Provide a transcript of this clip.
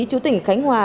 chủ tỉnh khánh hòa